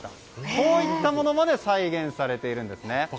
こういったものまで再現されているんですね。